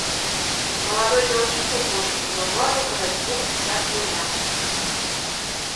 У маладой дзяўчыны ў кошыку заўважаю каля двух дзясяткаў лямпачак.